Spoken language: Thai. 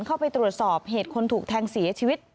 เข้าไปตรวจสอบเหตุคนถูกแทงเสียชีวิต